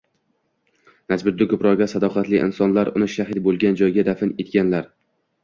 Najmiddin Kubroga sadoqatli insonlar uni shahid boʻlgan joyiga dafn etganlar